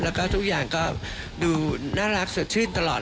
แล้วก็ทุกอย่างก็ดูน่ารักสดชื่นตลอด